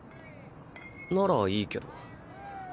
ならいいけど。